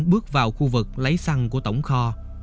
bước vào khu vực lấy xăng của tổng kho